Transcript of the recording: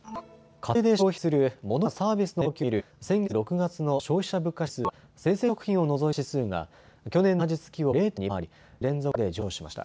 家庭で消費するモノやサービスの値動きを見る先月６月の消費者物価指数は生鮮食品を除いた指数が去年の同じ月を０．２％上回り２か月連続で上昇しました。